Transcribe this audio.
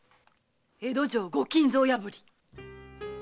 江戸城ご金蔵破り。